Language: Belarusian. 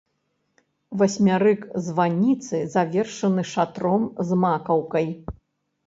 Васьмярык званіцы завершаны шатром з макаўкай.